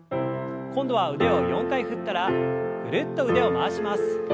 今度は腕を４回振ったらぐるっと腕を回します。